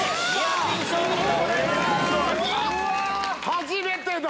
初めてだ！